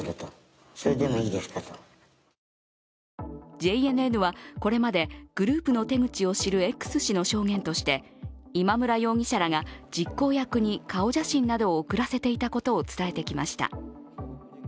ＪＮＮこれまでグループの手口を知るＸ氏の証言として、今村容疑者らが実行役に顔写真などを送らせていたことを伝えてきました。